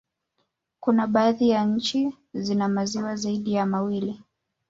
Kuna baadhi nchi zina maziwa zaidi ya mawili